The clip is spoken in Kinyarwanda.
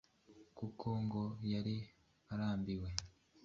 kuko ngo yari arambiwe